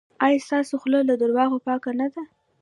ایا ستاسو خوله له درواغو پاکه نه ده؟